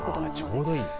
ちょうどいい。